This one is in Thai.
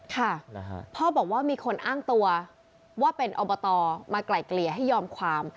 ค่ะพ่อบอกว่ามีคนอ้างตัวว่าเป็นอบตมาไกล่เกลี่ยให้ยอมความ